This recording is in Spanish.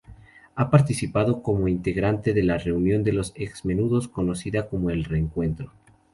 Ha participado como integrante de la reunión de los ex-menudos, conocida como El Reencuentro.